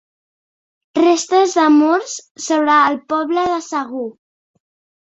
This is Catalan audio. Restes de murs sobre el poble de Segur.